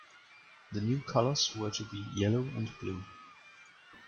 The new colours were to be yellow and blue.